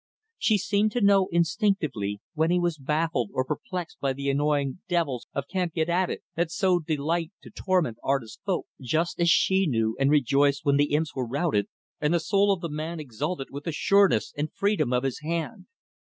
She seemed to know, instinctively, when he was baffled or perplexed by the annoying devils of "can't get at it," that so delight to torment artist folk; just as she knew and rejoiced when the imps were routed and the soul of the man exulted with the sureness and freedom of his hand.